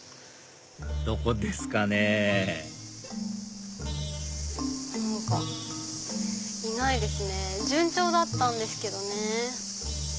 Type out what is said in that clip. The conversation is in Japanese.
どこですかねぇ何かいないですね順調だったんですけどね。